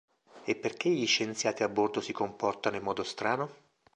E perché gli scienziati a bordo si comportano in modo strano?